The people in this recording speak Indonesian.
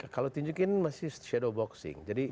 kalau tunjukin masih shadow boxing